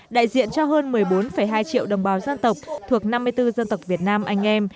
đại diện cho hơn một mươi bốn hai triệu đồng bào dân tộc thuộc năm mươi bốn dân tộc việt nam anh em